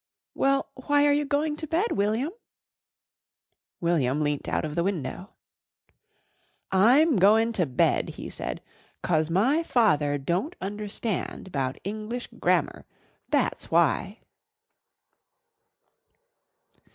"Well, why are you going to bed, William?" William leant out of the window. "I'm goin' to bed," he said, "'cause my father don't understand 'bout English Grammar, that's why!"